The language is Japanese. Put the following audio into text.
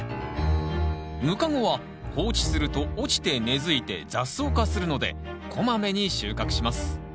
ムカゴは放置すると落ちて根づいて雑草化するのでこまめに収穫します。